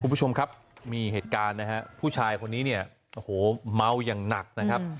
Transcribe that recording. คุณผู้ชมครับมีเหตุการณ์นะฮะผู้ชายคนนี้เนี่ยโอ้โหเมาอย่างหนักนะครับ